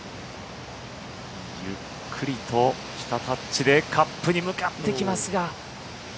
ゆっくりとしたタッチでカップに向かっていきますが。